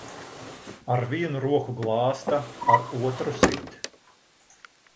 Ar vienu roku glāsta, ar otru sit.